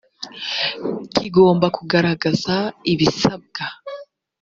kigomba kugaragaza ibisabwa.